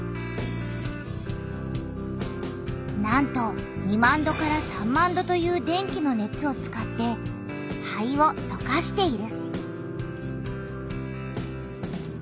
なんと２万度３万度という電気の熱を使って灰を溶かしている。